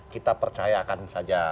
kita percayakan saja